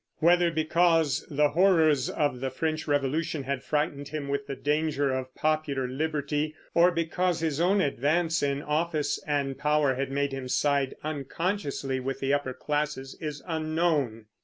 Whether because the horrors of the French Revolution had frightened him with the danger of popular liberty, or because his own advance in office and power had made him side unconsciously with the upper classes, is unknown.